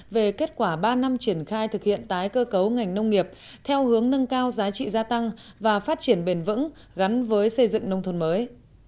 về kết quả ba năm triển khai thực hiện tái cơ cấu ngành nông nghiệp theo hướng nâng cao giá trị gia tăng và phát triển bền vững gắn với xây dựng nông thôn mới